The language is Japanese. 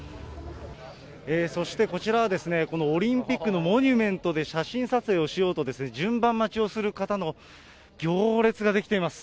そしてこちらは、このオリンピックのモニュメントで写真撮影をしようと順番待ちをする方の行列が出来ています。